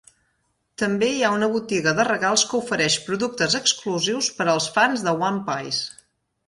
També hi ha una botiga de regals que ofereix productes exclusius per als fans de One Piece.